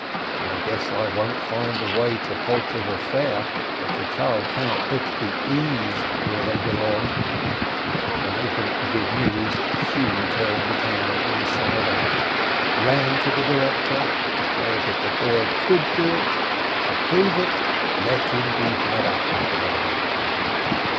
I guess I won't find the way to Poltava fair if the child cannot put the e's where they belong ! When they brought the good news, she turned the town inside out; ran to the director, declared that the boy could do it; to prove it, let him be had up again